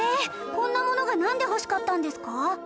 こんなものがなんで欲しかったんですか？